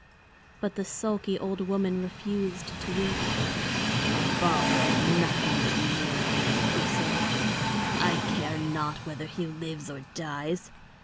But the sulky old woman refused to weep. "Balder is nothing to me," she said. "I care not whether he lives or dies.